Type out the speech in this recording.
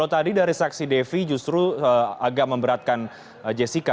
tadi dari saksi devi justru agak memberatkan jessica